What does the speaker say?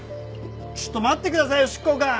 ちょっと待ってくださいよ執行官！